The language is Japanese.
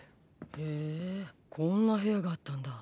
へぇこんな部屋があったんだ。